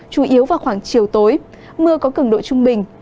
chủ yếu vào khoảng chiều tối mưa có cường độ trung bình